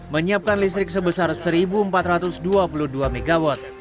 menyiapkan listrik sebesar satu empat ratus dua puluh dua mw